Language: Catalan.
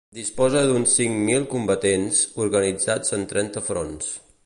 Disposa d'uns cinc mil combatents, organitzats en trenta fronts.